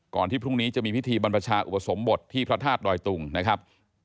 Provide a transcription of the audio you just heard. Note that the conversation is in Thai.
ที่พรุ่งนี้จะมีพิธีบรรพชาอุปสมบทที่พระธาตุดอยตุงนะครับ